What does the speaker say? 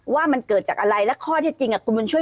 ว่ามันเกิดจากอะไรและข้อที่จริงคุณบุญช่วย